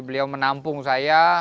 beliau menampung saya